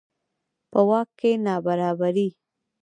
په واک کې نابرابري.